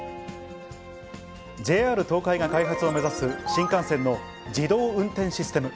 ＪＲ東海が開発を目指す、新幹線の自動運転システム。